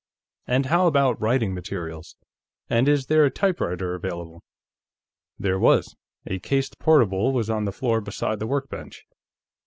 "And how about writing materials? And is there a typewriter available?" There was: a cased portable was on the floor beside the workbench.